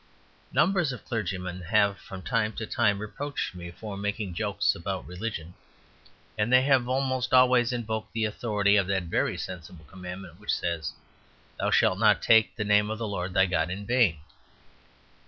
Numbers of clergymen have from time to time reproached me for making jokes about religion; and they have almost always invoked the authority of that very sensible commandment which says, "Thou shalt not take the name of the Lord thy God in vain."